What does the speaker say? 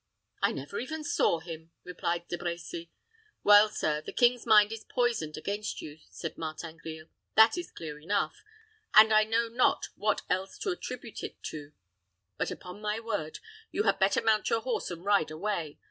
"I never even saw him," replied De Brecy. "Well, sir, the king's mind is poisoned against you," said Martin Grille, "that is clear enough; and I know not what else to attribute it to. But, upon my word, you had better mount your horse and ride away.